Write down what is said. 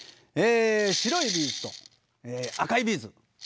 白いビーズと赤いビーズ。